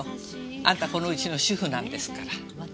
あんたこのうちの主婦なんですから。